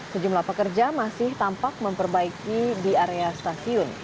sejumlah pekerja masih tampak memperbaiki di area stasiun